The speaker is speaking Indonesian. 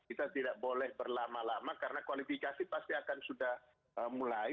kita tidak boleh berlama lama karena kualifikasi pasti akan sudah mulai